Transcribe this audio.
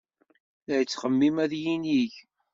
La yettxemmim ad yinig.